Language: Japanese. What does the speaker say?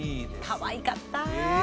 かわいかった！